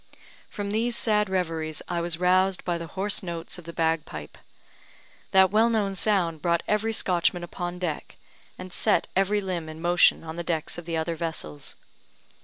From these sad reveries I was roused by the hoarse notes of the bagpipe. That well known sound brought every Scotchman upon deck, and set every limb in motion on the decks of the other vessels.